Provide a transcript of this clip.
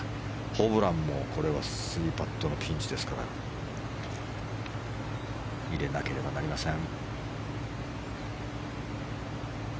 ホブランもこれは３パットのピンチですから入れなければなりません。